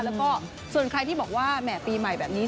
แล้วก็ส่วนใครที่บอกว่าแหม่ปีใหม่แบบนี้